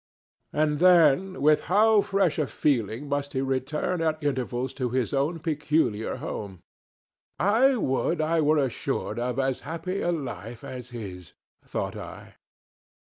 And then with how fresh a feeling must he return at intervals to his own peculiar home! "I would I were assured of as happy a life as his," thought I.